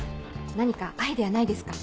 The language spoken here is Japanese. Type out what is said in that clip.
何かアイデアないですか？